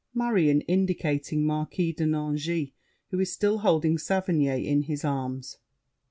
MARION (indicating Marquis de Nangis, who is still holding Saverny in his arms).